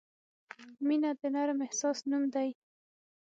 • مینه د نرم احساس نوم دی.